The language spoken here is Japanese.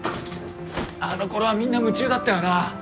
あの頃はみんな夢中だったよな。